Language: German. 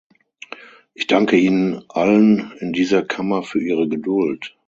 Ich danke Ihnen allen in dieser Kammer für Ihre Geduld.